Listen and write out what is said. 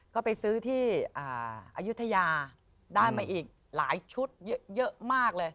ก็ไปซื้อที่อายุทยาได้มาอีกหลายชุดเยอะมากเลย